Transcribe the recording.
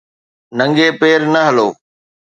ننگي پير نه هلو